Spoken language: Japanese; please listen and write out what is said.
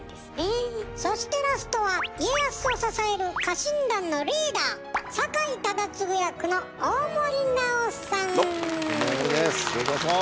そしてラストは家康を支える家臣団のリーダー酒井忠次役のどうも大森です。